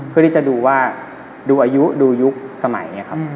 เพื่อที่จะดูว่าดูอายุดูยุคสมัยครับ